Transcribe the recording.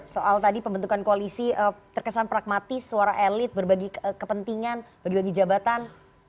soal tadi pembentukan koalisi terkesan pragmatis suara elit berbagi kepentingan bagi bagi jabatan